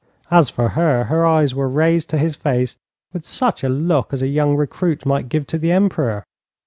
As for her, her eyes were raised to his face with such a look as a young recruit might give to the Emperor.